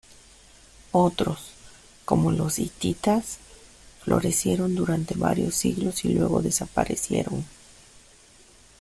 Otros, como los hititas, florecieron durante varios siglos y luego desaparecieron.